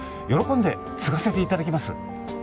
喜んで継がせていただきます